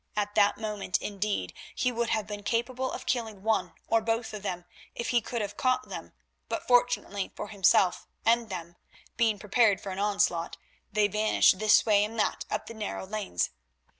At that moment, indeed, he would have been capable of killing one or both of them if he could have caught them, but, fortunately for himself and them, being prepared for an onslaught, they vanished this way and that up the narrow lanes.